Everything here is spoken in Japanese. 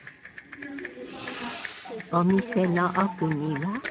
お店の奥には。